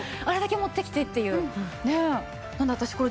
「あれだけ持ってきて！」っていう。